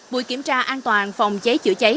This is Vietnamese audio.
buổi kiểm tra an toàn phòng cháy chữa cháy